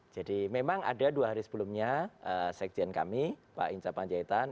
jadi memang ada dua hari sebelumnya sekjen kami pak inca panjaitan